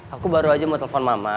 aku baru aja mau telepon mama